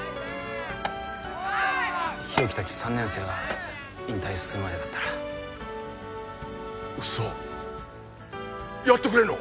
日沖達３年生が引退するまでだったら嘘やってくれるの？